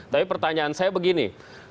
tapi pertanyaan saya begini